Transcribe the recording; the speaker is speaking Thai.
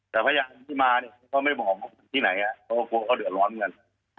แต่พระอย่างที่มาก็ไม่บอกที่ไหนเพราะกลัวเขาเดือดร้อนกัน